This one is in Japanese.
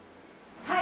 はい。